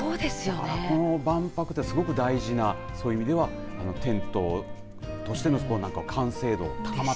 この万博ってすごく大事な、そういう意味ではテントとしての完成度高まった。